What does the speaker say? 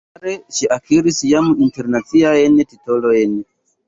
Sekvajare, ŝi akiris jam internaciajn titolojn.